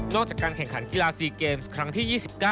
จากการแข่งขันกีฬา๔เกมส์ครั้งที่๒๙